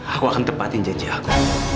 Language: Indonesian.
aku akan tepatin janji aku